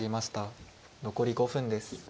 残り５分です。